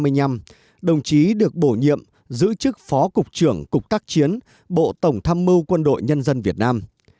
tháng một mươi năm một nghìn chín trăm năm mươi bảy đồng chí được bổ nhiệm giữ chức phó cục trưởng cục tác chiến bộ tổng tham mưu quân đội nhân dân việt nam